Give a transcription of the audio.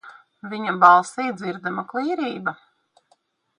Viņa balsī dzirdama klīrība.